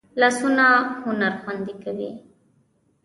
لاسونه هنر خوندي کوي